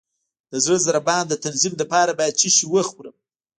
د زړه د ضربان د تنظیم لپاره باید څه شی وخورم؟